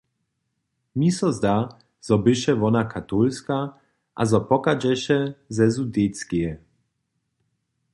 Mi so zda, zo běše wona katolska a zo pochadźeše ze Sudetskeje.